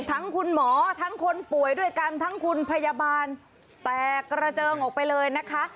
ทั้งคุณหมอทั้งคนป่วยด้วยกันทั้งคุณพยาบาลแตกกระเจิงออกไปเลยนะคะ